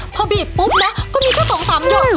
พอบีบปุ๊ปเนี่ยก็มีแค่๒๓อยู่